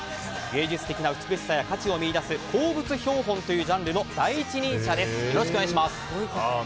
芸術的な美しさや価値を見いだす鉱物標本というジャンルの第一人者です。